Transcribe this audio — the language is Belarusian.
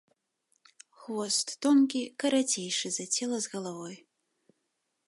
Хвост тонкі, карацейшы за цела з галавой.